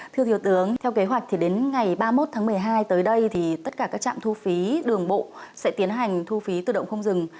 thưa thiếu tướng theo kế hoạch thì đến ngày ba mươi một tháng một mươi hai tới đây thì tất cả các trạm thu phí đường bộ sẽ tiến hành thu phí tự động không dừng